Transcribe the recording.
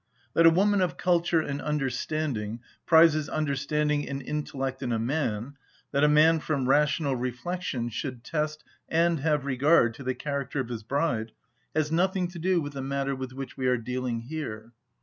That a woman of culture and understanding prizes understanding and intellect in a man, that a man from rational reflection should test and have regard to the character of his bride, has nothing to do with the matter with which we are dealing here.